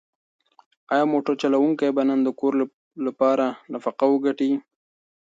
ایا موټر چلونکی به نن د کور لپاره نفقه وګټي؟